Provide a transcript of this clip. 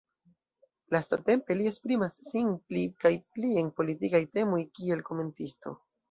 Lastatempe li esprimas sin pli kaj pli en politikaj temoj kiel komentisto.